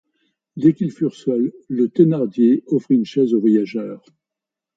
Dès qu'ils furent seuls, le Thénardier offrit une chaise au voyageur.